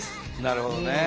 なるほどね。